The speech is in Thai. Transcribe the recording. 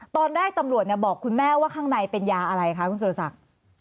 ตอนแรกตำรวจบอกคุณแม่ว่าข้างในเป็นยาอะไรคะคุณสุรศักดิ์